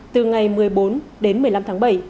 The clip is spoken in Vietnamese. từ ngày một mươi bốn đến một mươi năm tháng bảy